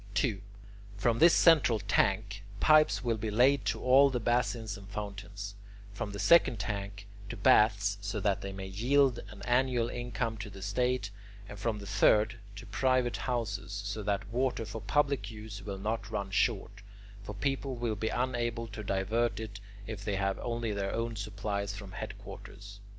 2. From this central tank, pipes will be laid to all the basins and fountains; from the second tank, to baths, so that they may yield an annual income to the state; and from the third, to private houses, so that water for public use will not run short; for people will be unable to divert it if they have only their own supplies from headquarters.